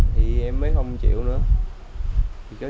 thì em mới không chịu nữa